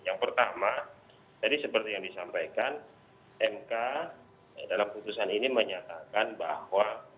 yang pertama tadi seperti yang disampaikan mk dalam putusan ini menyatakan bahwa pembentukan undang undang sebelas dua ribu dua puluh